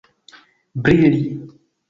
brili